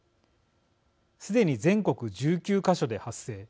すでに全国１９か所で発生。